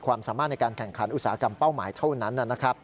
ความสามารถในการแข่งขันอุตสาหกรรมเป้าหมายเท่านั้นนะครับ